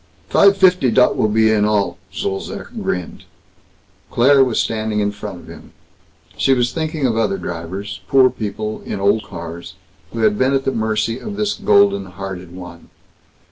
"Fife fifty dot will be, in all." Zolzac grinned. Claire was standing in front of him. She was thinking of other drivers, poor people, in old cars, who had been at the mercy of this golden hearted one.